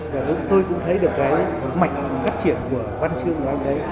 và tôi cũng thấy được cái mạnh phát triển của văn chương của anh đấy